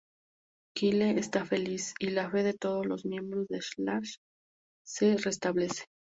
Kyle está feliz, y la fe de todos los miembros de Slash se restablece.